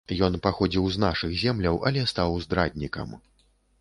Ён паходзіў з нашых земляў, але стаў здраднікам.